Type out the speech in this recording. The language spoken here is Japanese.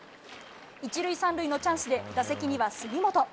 １塁３塁のチャンスで、打席には杉本。